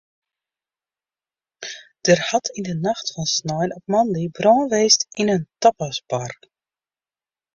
Der hat yn de nacht fan snein op moandei brân west yn in tapasbar.